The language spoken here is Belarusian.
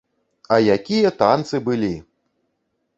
А якія танцы былі!